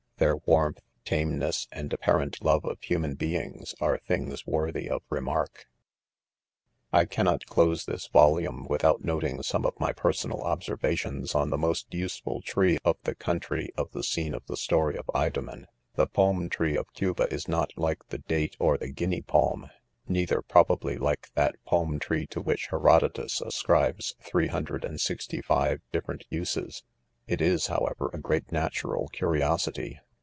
Their warmth, tameness, and apparent love of hu man beings, are things worthy of remark. I cannot close this volume without noting some of my personal observations on the most useful tree of the coun try of the scene of the story of Idomen. The palm tree of Cuba is not like the date or the Guinea palm, neither, probably, like that palm tree to which Herodotus ascribes three hundred and sixty jive different uses $ it is, however, a great natural curiosity.